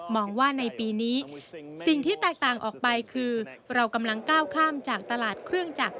ว่าในปีนี้สิ่งที่แตกต่างออกไปคือเรากำลังก้าวข้ามจากตลาดเครื่องจักร